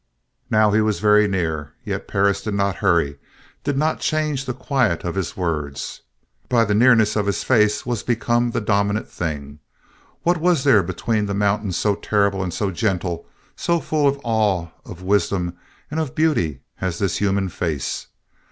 Now he was very near, yet Perris did not hurry, did not change the quiet of his words. By the nearness his face was become the dominant thing. What was there between the mountains so terrible and so gentle, so full of awe, of wisdom, and of beauty, as this human face?